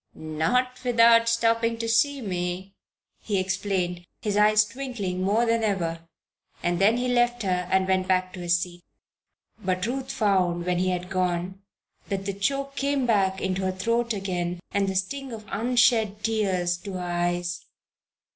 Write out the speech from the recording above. "Not without stopping to see me," he explained, his eyes twinkling more than ever. And then he left her and went back to his seat. But Ruth found, when he had gone, that the choke came back into her throat again and the sting of unshed tears to her eyes.